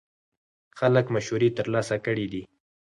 خلک مشورې ترلاسه کړې دي.